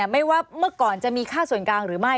ไม่ว่าเมื่อก่อนจะมีค่าส่วนกลางหรือไม่